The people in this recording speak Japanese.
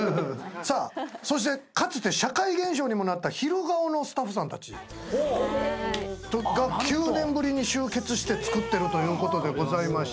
さあそしてかつて社会現象にもなった『昼顔』のスタッフさんたちが９年ぶりに集結して作ってるということでございまして。